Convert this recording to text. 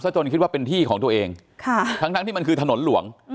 จนคิดว่าเป็นที่ของตัวเองทั้งที่มันคือถนนหลวง